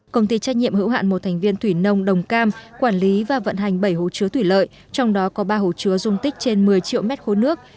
công ty trách nhiệm hữu hạn một thành viên thủy nông đồng cam quản lý và vận hành bảy hồ chứa thủy lợi trong đó có ba hồ chứa dung tích trên một mươi triệu mét khối nước